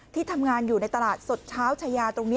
ที่ทำงานอยู่ในตลาดสดเช้าชายาตรงนี้